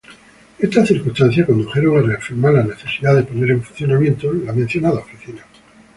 Estas circunstancias condujeron a reafirmar la necesidad de poner en funcionamiento la mencionada Oficina.